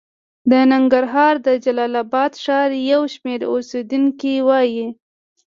د ننګرهار د جلال اباد ښار یو شمېر اوسېدونکي وايي